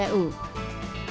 adalah early retirement pltu